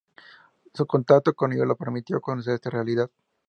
Su contacto con ellos le permitió conocer esta realidad.